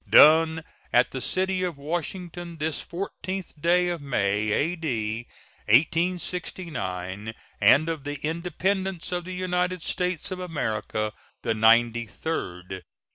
Done at the city of Washington, this 14th day of May, A.D. 1869, and of the Independence of the United States of America the ninety third.